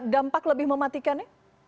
dampak lebih mematikan